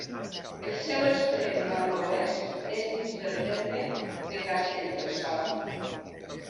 El seu extrem nord-oest és dins del terme de Castellterçol.